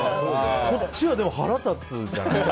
こっちは腹立つじゃない。